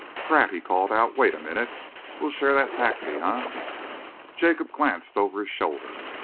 "Pratt," he called out, "wait a minute. We'll share that taxi, eh?" Jacob glanced over his shoulder.